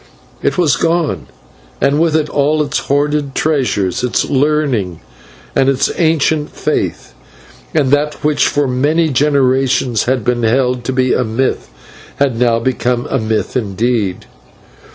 It was gone, and with it all its hoarded treasures, its learning and its ancient faith, and that which for many generations had been held to be a myth had now become a myth indeed.